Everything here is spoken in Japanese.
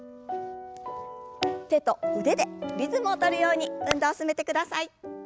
手と腕でリズムを取るように運動を進めてください。